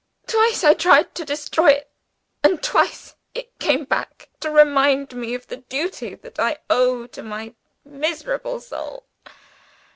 Twice I tried to destroy it and twice it came back, to remind me of the duty that I owed to my miserable soul.